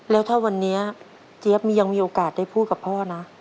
แล้วถ้าวันนี้เจี๊ยบมียังมีโอกาสได้พูดกับพ่อนะ